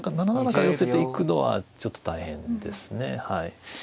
７七から寄せていくのはちょっと大変ですね。